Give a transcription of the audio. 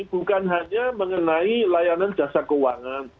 bukan hanya mengenai layanan jasa keuangan